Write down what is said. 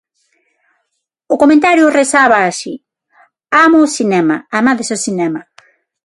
O comentario rezaba así: Amo o cinema, amades o cinema.